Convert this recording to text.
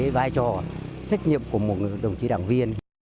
vai trò trách nhiệm của một đồng chí đảng viên